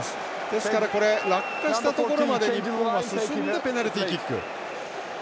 ですから、落下したところまで日本も進んでペナルティーキック。